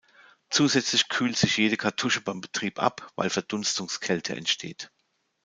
Zusätzlich kühlt sich jede Kartusche beim Betrieb ab, weil Verdunstungskälte entsteht.